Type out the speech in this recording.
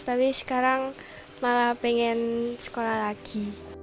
tapi sekarang malah pengen sekolah lagi